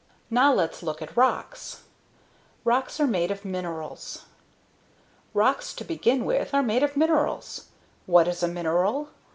NOW LET'S LOOK AT ROCKS ROCKS ARE MADE OF MINERALS Rocks, to begin with, are made of minerals. What is a mineral?